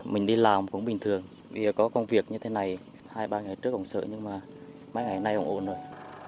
mình đi làm cũng bình thường vì có công việc như thế này hai ba ngày trước ổng sợ nhưng mà mấy ngày nay ổng ổn rồi